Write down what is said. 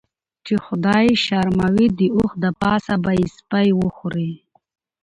چی خدای یی شرموي داوښ دپاسه به یی سپی وخوري .